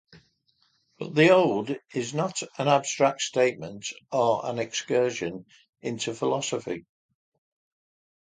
But the ode is not an abstract statement or an excursion into philosophy.